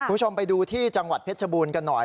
คุณผู้ชมไปดูที่จังหวัดเพชรบูรณ์กันหน่อย